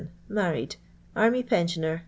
Married. Army pensioner, 6d.